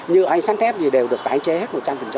như ánh sáng thép gì đều được tái chế hết một trăm linh